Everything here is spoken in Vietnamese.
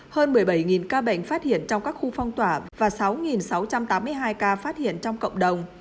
hơn một mươi bảy ca bệnh phát hiện trong các khu phong tỏa và sáu sáu trăm tám mươi hai ca phát hiện trong cộng đồng